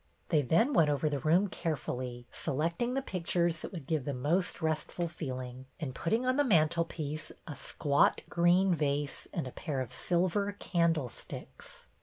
They then went over the room care fully, selecting the pictures that would give the most restful feeling, and putting on the mantelpiece a squat green vase and a pair of silver candlesticks.